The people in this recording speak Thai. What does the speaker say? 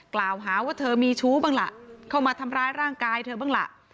กล่าวหาว่าเธอมีชู้บ้างล่ะเข้ามาทำร้ายร่างกายเธอบ้างล่ะ